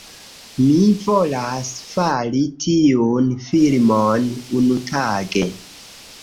Mi volas fari tiun filmon, unutage